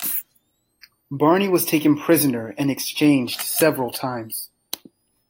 Barney was taken prisoner and exchanged several times.